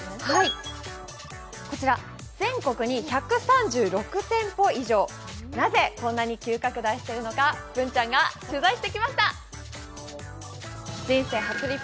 こちら全国に１３６店舗以上、なぜ、こんなに急拡大しているのか文ちゃんが取材してきました。